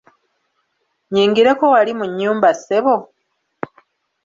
Nnyingireko wali mu nnyumba ssebo?